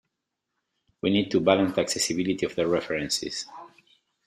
We need to balance the accessibility of the references.